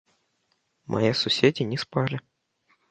Мае суседзі не спалі.